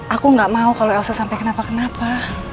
aku gak mau kalau elsa sampai kenapa kenapa